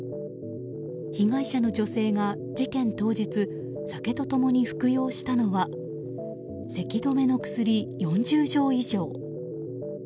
被害者の女性が事件当日酒と共に服用したのはせき止めの薬４０錠以上。